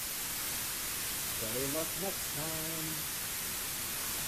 Better luck next time!.